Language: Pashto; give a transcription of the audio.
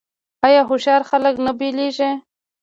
آیا هوښیار خلک نه بیلیږي؟